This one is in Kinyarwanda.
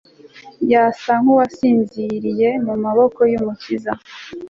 yasa nkuwasinziriye mumaboko yumukiza